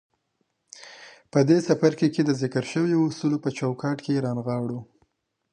په دې څپرکي کې د ذکر شويو اصولو په چوکاټ کې يې رانغاړو.